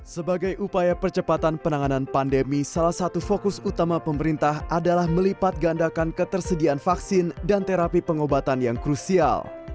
sebagai upaya percepatan penanganan pandemi salah satu fokus utama pemerintah adalah melipat gandakan ketersediaan vaksin dan terapi pengobatan yang krusial